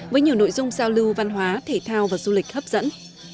với nhiều nội dung giao lưu văn hóa thể thao và du lịch hấp dẫn